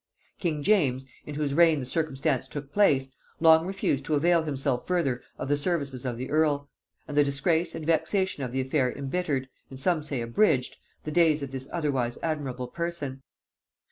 King James, in whose reign the circumstance took place, long refused to avail himself further of the services of the earl; and the disgrace and vexation of the affair embittered, and some say abridged, the days of this otherwise admirable person.